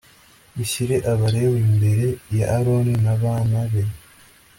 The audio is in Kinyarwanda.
Ushyire Abalewi imbere ya Aroni n abana be